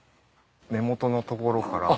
根元のところから。